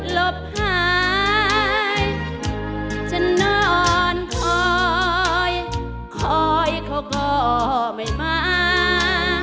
ลบหายฉันนอนคอยคอยเขาก็ไม่มา